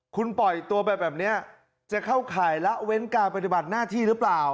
คุณปล่อยตัวไปแบบนี้จะเข้าข่ายละเว้นการปฏิบัติหน้าที่หรือเปล่า